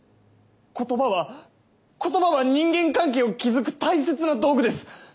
言葉は言葉は人間関係を築く大切な道具です。